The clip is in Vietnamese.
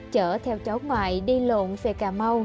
chở theo cháu ngoại đi lộn về cà mau